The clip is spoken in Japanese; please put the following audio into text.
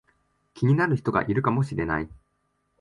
気になる人がいるかもしれない